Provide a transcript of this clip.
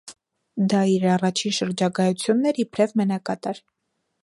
Դա իր առաջին շարջագայություն էր իբրև մենակատար։